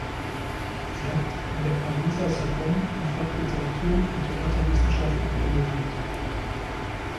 Sie hat an der Pariser Sorbonne im Fach Literatur- und Theaterwissenschaften promoviert.